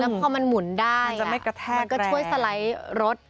แล้วพอมันหมุนได้มันก็ช่วยสไลด์รถ